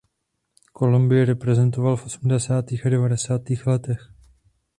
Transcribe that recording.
Kolumbii reprezentoval v osmdesátých a devadesátých letech.